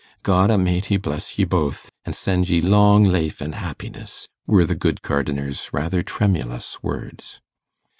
'God A'maighty bless ye both, an' send ye long laife an' happiness,' were the good gardener's rather tremulous words.